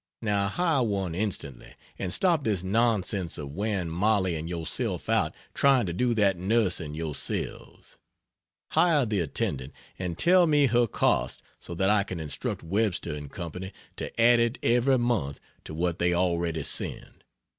Now hire one instantly, and stop this nonsense of wearing Mollie and yourself out trying to do that nursing yourselves. Hire the attendant, and tell me her cost so that I can instruct Webster & Co. to add it every month to what they already send.